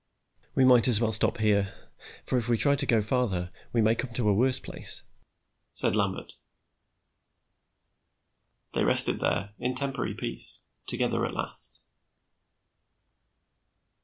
"We might as well stop here, for if we try to go farther we may come to a worse place," said Lambert. They rested there, in temporary peace, together at last.